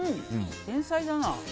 天才だな。